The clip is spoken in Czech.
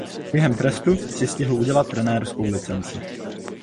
Během trestu si stihl udělat trenérskou licenci.